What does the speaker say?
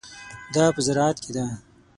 دا په زراعت کې ده.